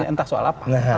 entah soal apa